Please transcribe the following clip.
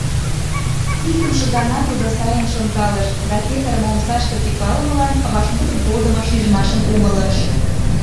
Икымше гана тудо сайын шонкалыш, да петырыме омсашке тӱкалымылан вашмутым колдымо шижмашым умылыш.